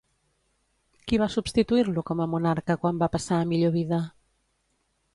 Qui va substituir-lo com a monarca quan va passar a millor vida?